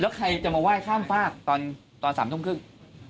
แล้วใครจะมาไหว้ข้ามฝากตอน๓ทุ่มครึ่ง